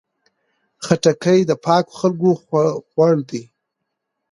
خټکی د پاکو خلکو خوړ دی.